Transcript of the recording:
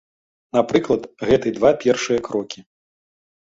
Напрыклад, гэты два першыя крокі.